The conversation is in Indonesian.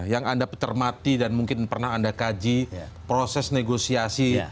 yang anda termati dan mungkin pernah anda kaji proses negosiasi